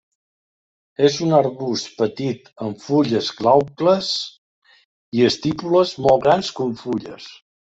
És un arbust petit amb fulles glauques i estípules molt grans, com fulles.